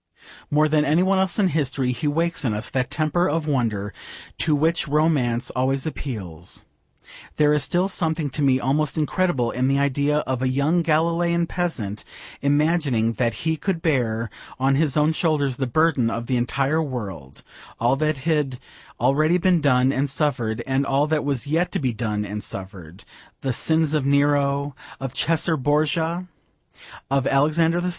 More than any one else in history he wakes in us that temper of wonder to which romance always appeals. There is still something to me almost incredible in the idea of a young Galilean peasant imagining that he could bear on his own shoulders the burden of the entire world; all that had already been done and suffered, and all that was yet to be done and suffered: the sins of Nero, of Caesar Borgia, of Alexander VI.